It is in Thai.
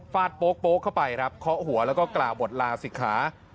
โป๊กเข้าไปครับเคาะหัวแล้วก็กล่าวบทลาศิกขา